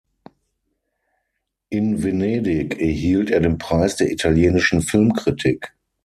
In Venedig erhielt er den Preis der italienischen Filmkritik.